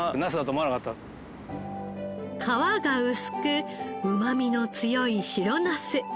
皮が薄くうまみの強い白ナス。